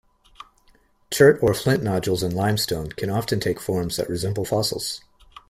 Chert or flint nodules in limestone can often take forms that resemble fossils.